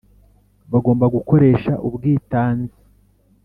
bagomba gukoresha ubwitanzi